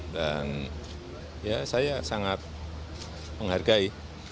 dan saya sangat menghargai